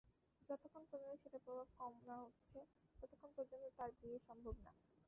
যতক্ষন পর্যন্ত সেটার প্রভাব কম না হচ্ছে ততক্ষন পর্যন্ত তার বিয়ে সম্ভব না।